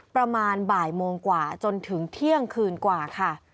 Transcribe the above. ประมาณบ่ายโมงกว่าจนถึงเที่ยงคืนกว่าค่ะ